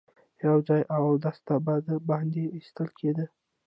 يواځې اوداسه ته به د باندې ايستل کېده.